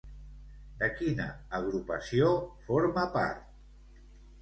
De quina agrupació forma part?